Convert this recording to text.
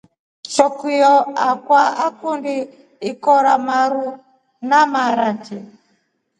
Shokio yakwa nakundi ikoro maru na maraki.